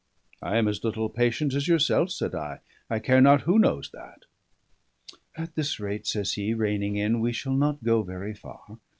"I am as little patient as yourself," said I. "I care not who knows that." "At this rate," says he, reining in, "we shall not go very far.